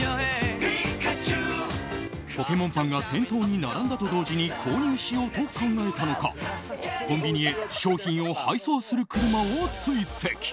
ポケモンパンが店頭に並んだと同時に購入しようと考えたのかコンビニへ商品を配送する車を追跡。